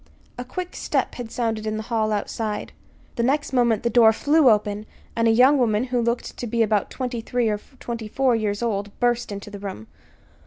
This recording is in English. A quick step had sounded in the hall outside. The next moment the door flew open and a young woman, who looked to be about twenty three or twenty four years old, burst into the room.